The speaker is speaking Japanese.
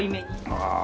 ああ。